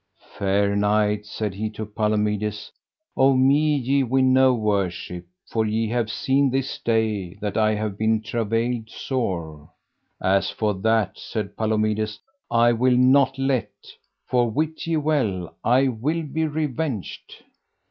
Fair knight, said he to Palomides, of me ye win no worship, for ye have seen this day that I have been travailed sore. As for that, said Palomides, I will not let, for wit ye well I will be revenged.